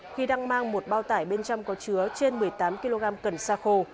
khi đang mang một bao tải bên trong có chứa trên một mươi tám kg cần xa khô